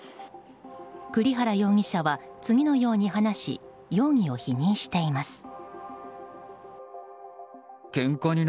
栗原容疑者は次のように話し容疑を否認しています。